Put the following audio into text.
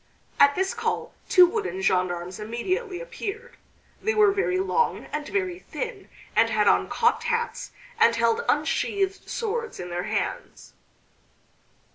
At this call two wooden gendarmes immediately appeared. They were very long and very thin and had on cocked hats, and held unsheathed swords in their hands.